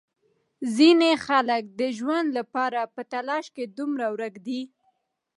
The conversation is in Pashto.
ځینې خلک د ژوند لپاره په تلاش کې دومره ورک دي.